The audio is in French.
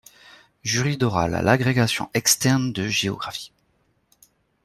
Jury d’oral à l’agrégation externe de géographie.